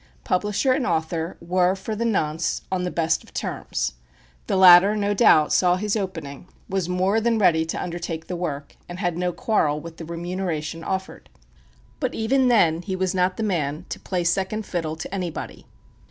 Publisher and author were for the nonce on the best of terms. The latter, no doubt, saw his opening; was more than ready to undertake the work, and had no quarrel with the remuneration offered. But even then he was not the man to play second fiddle to anybody.